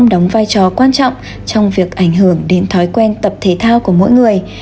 đóng vai trò quan trọng trong việc ảnh hưởng đến thói quen tập thể thao của mỗi người